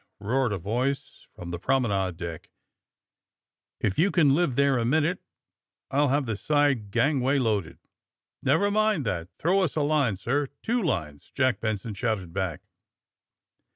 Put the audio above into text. roared a voice from the prom enade decke '*If you can live there a minute I'll have the side gangway loaded." /^ Never mind that! Throw us a line, sir! Two lines!" Jack Benson shouted back.